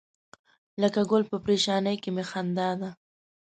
لکه ګل په پرېشانۍ کې می خندا ده.